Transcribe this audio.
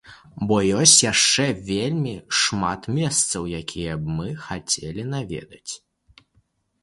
Бо ёсць яшчэ вельмі шмат месцаў, якія б мы хацелі наведаць.